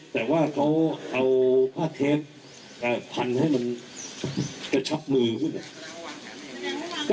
แต่ว่าเขาเอาผ้าเทปพันให้มันกระชับมือขึ้น